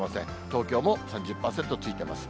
東京も３０％ついています。